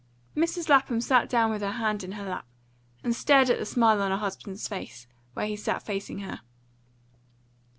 Mrs. Lapham sat down with her hands in her lap, and stared at the smile on her husband's face, where he sat facing her.